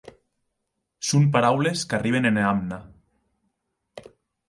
Son paraules qu'arriben ena amna.